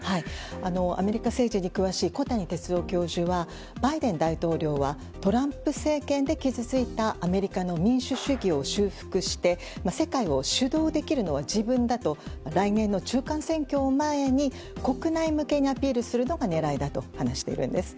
アメリカ政治に詳しい小谷哲男教授はバイデン大統領はトランプ政権で傷ついたアメリカの民主主義を修復して世界を主導できるの自分だと来年の中間選挙を前に国内向けにアピールするのが狙いだと話しているんです。